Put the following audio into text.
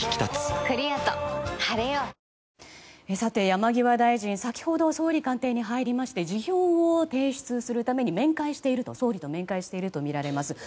山際大臣、先ほど総理官邸に入りまして辞表を提出するために総理と面会しているとみられます。